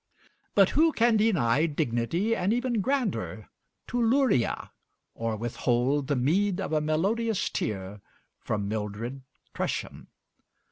But who can deny dignity and even grandeur to 'Luria,' or withhold the meed of a melodious tear from 'Mildred Tresham'?